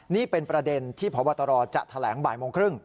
นี่เป็นประเด็นที่พบตรจะแถลงบ่ายโมงครึ่ง